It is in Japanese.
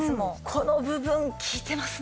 この部分利いてますね。